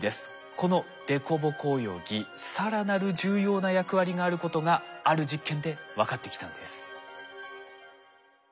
この凸凹泳ぎ更なる重要な役割があることがある実験で分かってきたんです。